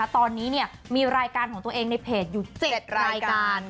ตอนนี้มีรายการของตัวเองในเพจอยู่๗รายการ